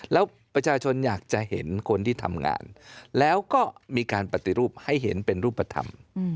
แล้วประชาชนอยากจะเห็นคนที่ทำงานแล้วก็มีการปฏิรูปให้เห็นเป็นรูปธรรม